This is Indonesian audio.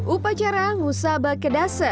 upacara ngusaba kedasa